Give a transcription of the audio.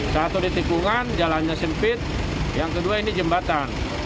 satu di tikungan jalannya sempit yang kedua ini jembatan